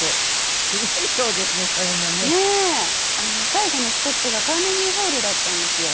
最後のストップがカーネギーホールだったんですよ。